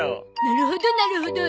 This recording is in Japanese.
なるほどなるほど。